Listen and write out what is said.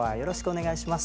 お願いします。